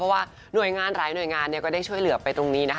เพราะว่าหลายหน่วยงานก็ได้ช่วยเหลือไปตรงนี้